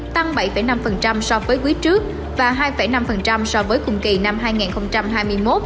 tăng bảy năm so với quý trước và hai năm so với cùng kỳ năm hai nghìn hai mươi một